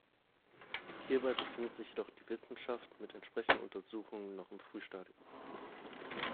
Hierbei befindet sich jedoch die Wissenschaft mit entsprechenden Untersuchungen noch im Frühstadium.